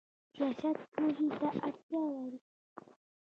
سیاست پوهې ته اړتیا لري